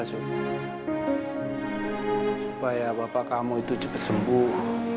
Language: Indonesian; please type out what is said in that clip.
supaya bapak kamu itu cepat sembuh